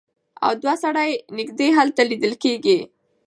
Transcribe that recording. او دوه سرې نېزې هلته لیدلې کېږي.